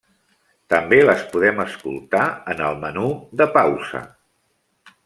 També les podem escoltar en el menú de pausa.